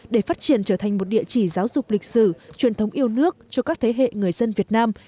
để phát triển trở thành một địa chỉ giáo dục lịch sử truyền thống yêu nước cho các thế hệ người dân việt nam